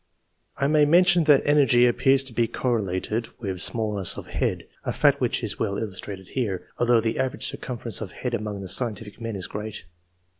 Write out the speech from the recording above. I may mention that energy appears to be correlated with smallness of head, a fact which is well illustrated here, although the average circumference of head among the scientific men is great.